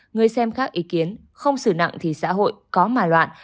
người xem khác ý kiến không xử nặng thì xã hội có mà loạn